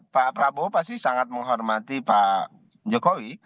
pak prabowo pasti sangat menghormati pak jokowi